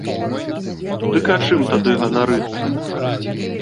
Дык а чым тады ганарыцца?